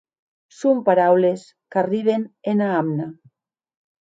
Son paraules qu'arriben ena amna.